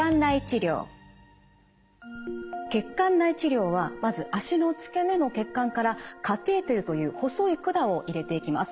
血管内治療はまず脚の付け根の血管からカテーテルという細い管を入れていきます。